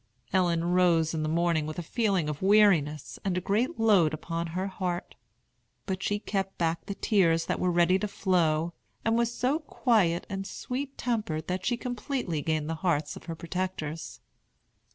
Ellen rose in the morning with a feeling of weariness and a great load upon her heart. But she kept back the tears that were ready to flow, and was so quiet and sweet tempered that she completely gained the hearts of her protectors.